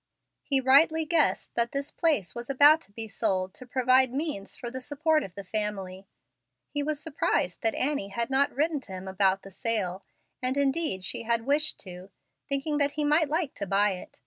He rightly guessed that this place was about to be sold to provide means for the support of the family. He was surprised that Annie had not written to him about the sale, and indeed she had wished to, thinking that he might like to buy it.